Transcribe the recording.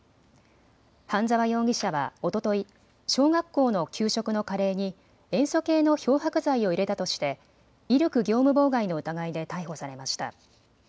半澤容疑者はおととい、小学校の給食のカレーに塩素系の漂白剤を入れたとしで威力業務妨害の疑いで逮捕されました。